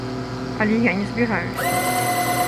Але я не збіраюся.